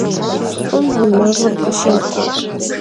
Them yi nef'ır khıpşixue.